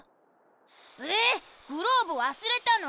えグローブわすれたの？